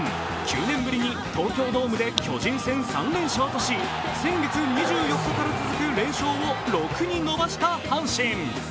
９年ぶりに東京ドームで巨人戦３連勝とし先月２４日から続く連勝を６に伸ばした阪神。